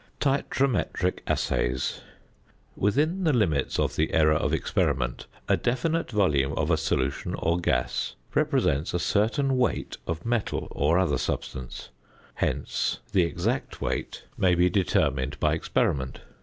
~Titrometric Assays.~ Within the limits of the error of experiment, a definite volume of a solution or gas represents a certain weight of metal or other substance, hence the exact weight may be determined by experiment.